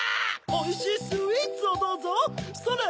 おいしいスイーツをどうぞそれ！